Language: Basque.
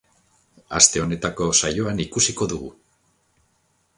Aste honetako saioan ikusiko dugu.